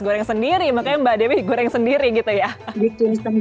goreng sendiri makanya mbak dewi goreng sendiri gitu ya bikin setengah